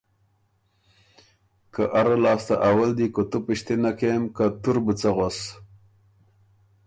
که اره لاسته اول دی کُوتُو پِشتِنه کېم که تُور بُو څۀ غؤس؟